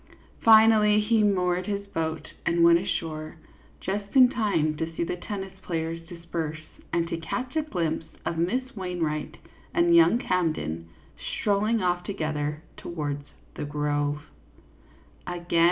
Finally, he moored his boat and went ashore, just in time to see the tennis play ers disperse and to catch a glimpse of Miss Wain wright and young Camden strolling off together towards the grove.